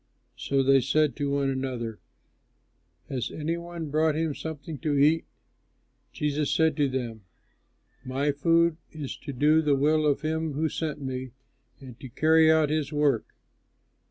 So they said to one another, "Has any one brought him something to eat?" Jesus said to them, "My food is to do the will of him who sent me and to carry out his work.